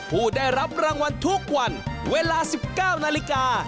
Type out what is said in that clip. ผู้ได้รับรางวัลทุกวันเวลา๑๙นาฬิกา